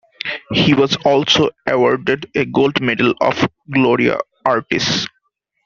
He was also awarded a Gold Medal of Gloria Artis.